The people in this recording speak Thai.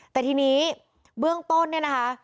แต่ทีนี้เบื้องต้นเนี่ยนะคะ